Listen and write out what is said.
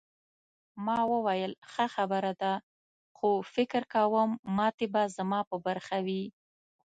ما وویل ښه خبره ده خو فکر کوم ماتې به زما په برخه وي.